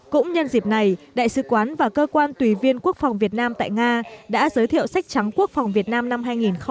cũng nhân dịp này đại sứ quán và cơ quan tùy viên quốc phòng việt nam tại nga đã giới thiệu sách trắng quốc phòng việt nam năm hai nghìn một mươi chín